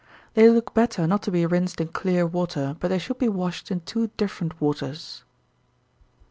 They look better not to be rinsed in clear water, but they should be washed in two different waters.